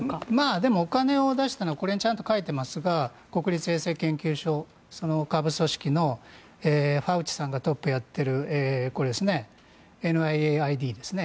でも、お金を出したのはこれにちゃんと書いてありますが国立衛生研究所その下部組織のファウチさんがトップをやっているＮＡＮＩＤですね。